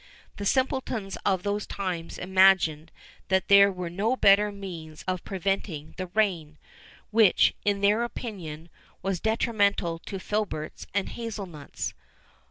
The simpletons of those times imagined that there were no better means of preventing the rain, which, in their opinion, was detrimental to filberts and hazel nuts.